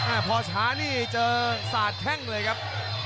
อ่าพอช้านี่เจอสาดแข้งเลยครับ